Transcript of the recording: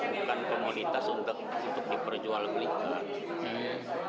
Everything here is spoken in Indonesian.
bukan komunitas untuk diperjual belikan